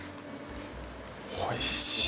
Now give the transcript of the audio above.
おいしい。